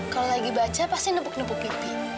kalau lagi baca pasti nupuk nupuk pipi